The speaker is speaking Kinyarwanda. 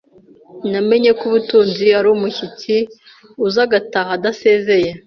namenye ko ubutunzi ari umushyitsi uza agataha adasezeye,